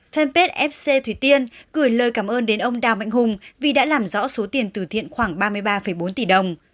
fanpage fc thủy tiên gửi lời cảm ơn đến ông đào mạnh hùng vì đã làm rõ số tiền tử thiện khoảng ba mươi ba bốn tỷ đồng